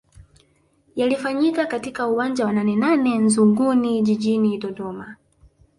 Yalifanyika katika uwanja wa Nanenane Nzuguni Jijini Dodoma